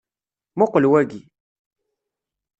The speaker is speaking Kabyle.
Muqqel waki.